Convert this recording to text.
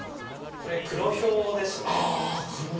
クロヒョウですね。